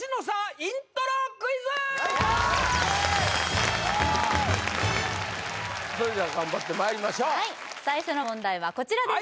イントロクイズそれでは頑張ってまいりましょう最初の問題はこちらです